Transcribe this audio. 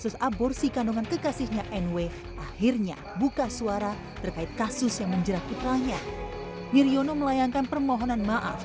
saya mohon maaf yang sebesar besarnya